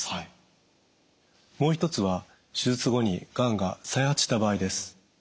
もう一つは手術後にがんが再発した場合です。